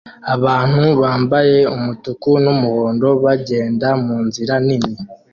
abantu bambaye umutuku n'umuhondo bagenda munzira nini